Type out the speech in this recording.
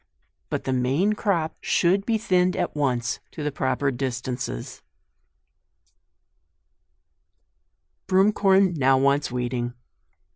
But the main crop should be thinned at once to the proper dis tances." JUNE. 147 BROOM CORN now wants weeding.